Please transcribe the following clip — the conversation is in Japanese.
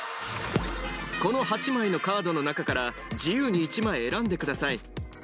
この８枚のカードの中から自由に１枚選んでください。